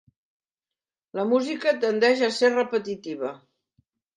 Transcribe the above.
La música tendeix a ser repetitiva.